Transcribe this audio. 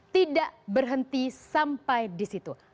tidak berhenti sampai di situ